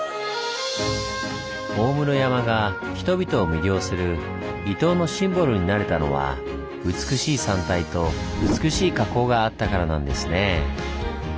大室山が人々を魅了する伊東のシンボルになれたのは「美しい山体」と「美しい火口」があったからなんですねぇ。